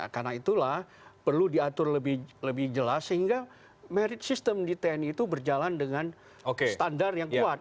karena itulah perlu diatur lebih jelas sehingga merit system di tni itu berjalan dengan standar yang kuat